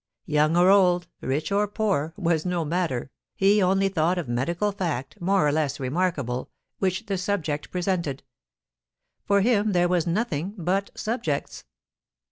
Young or old, rich or poor, was no matter, he only thought of medical fact, more or less remarkable, which the subject presented. For him there was nothing but subjects.